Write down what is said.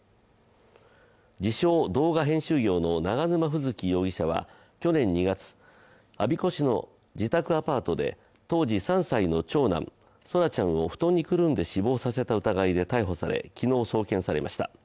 自称・動画編集業の永沼楓月容疑者は去年２月、我孫子市の自宅アパートで当時３歳の長男・奏良ちゃんを布団にくるんで死亡させた疑いで逮捕され昨日送検されました。